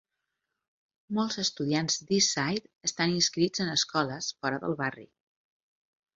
Molts estudiants d'East Side estan inscrits en escoles fora del barri.